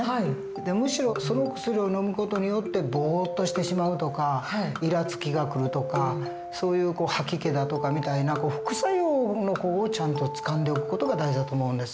でむしろその薬をのむ事によってぼっとしてしまうとかいらつきがくるとかそういう吐き気だとかみたいな副作用の方をちゃんとつかんでおく事が大事だと思うんです。